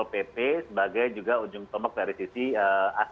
yeah saling per advisors